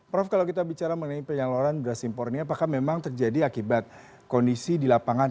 prof kalau kita bicara mengenai penyaluran beras impor ini apakah memang terjadi akibat kondisi di lapangan